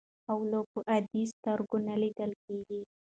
اولو په عادي سترګو نه لیدل کېږي.